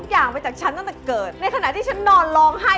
อย่าขำคลัง